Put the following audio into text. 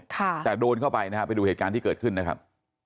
แต่โดนเข้าไปนะฮะไปดูเหตุการณ์ที่เกิดขึ้นนะครับ